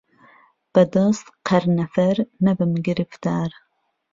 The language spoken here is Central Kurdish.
به دهست قەرنهفهر نهبم گرفتار